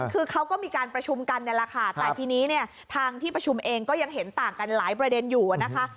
คือเขาก็มีการประชุมกันนี่แหละค่ะแต่ทีนี้เนี่ยทางที่ประชุมเองก็ยังเห็นต่างกันหลายประเด็นอยู่นะคะ